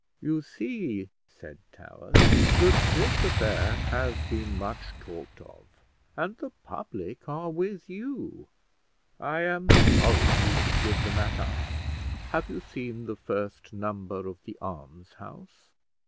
"You see," said Towers, "that this affair has been much talked of, and the public are with you. I am sorry you should give the matter up. Have you seen the first number of 'The Almshouse'?"